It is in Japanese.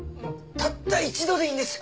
たった一度でいいんです。